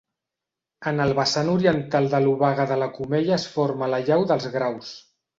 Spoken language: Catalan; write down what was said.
En el vessant oriental de l'Obaga de la Comella es forma la llau dels Graus.